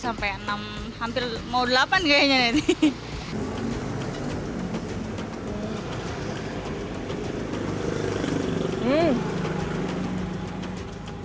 sampai enam hampir mau delapan kayaknya nanti